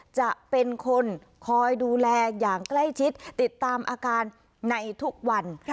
จะเป็นคนคอยดูแลอย่างใกล้ชิดติดตามอาการในทุกวัน